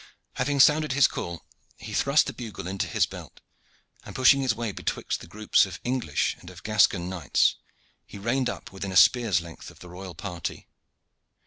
Having sounded his call, he thrust the bugle into his belt, and, pushing his way betwixt the groups of English and of Gascon knights, he reined up within a spear's length of the royal party.